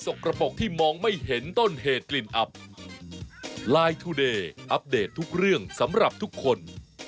ช่วงหน้าแล้วกันนะคะ